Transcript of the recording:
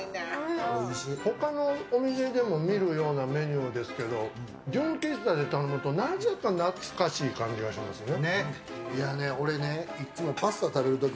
ほかのお店でも見るようなメニューですけど純喫茶で頼むとなぜか懐かしさが出てきますね。